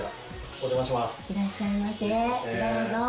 お邪魔します。